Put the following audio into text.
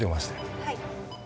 はい。